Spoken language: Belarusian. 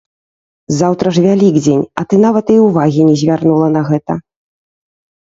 Заўтра ж вялікдзень, а ты нават і ўвагі не звярнула на гэта.